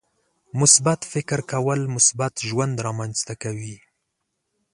• مثبت فکر کول، مثبت ژوند رامنځته کوي.